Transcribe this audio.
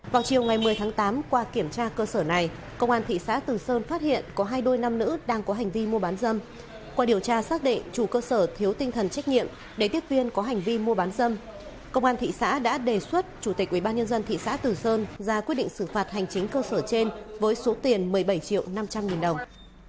vào chiều ngày một mươi tháng tám qua kiểm tra cơ sở này công an thị xã từ sơn phát hiện có hai đôi nam nữ đang có hành vi mua bán dâm qua điều tra xác định chủ cơ sở thiếu tinh thần trách nhiệm để tiếp viên có hành vi mua bán dâm công an thị xã đã đề xuất chủ tịch ubnd thị xã từ sơn ra quyết định xử phạt hành chính cơ sở trên với số tiền một mươi bảy triệu năm trăm linh nghìn đồng